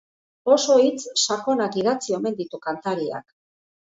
Oso hitz sakonak idatzi omen ditu kantariak.